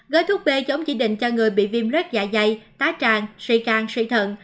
gói thuốc b giống chỉ định cho người bị viêm rớt dạ dày tá tràn sỉ can sỉ thận